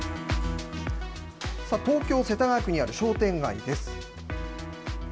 東京・世田谷区にある商店街です。